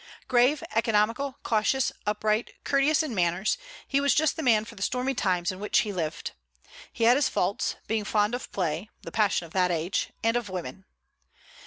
Grave, economical, cautious, upright, courteous in manners, he was just the man for the stormy times in which he lived. He had his faults, being fond of play (the passion of that age) and of women.